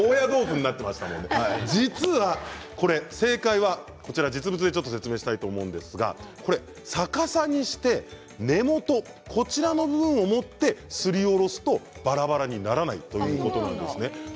実は正解は実物で説明したいと思うんですが逆さにして根元の部分を持ってすりおろすとばらばらにならないということなんですね。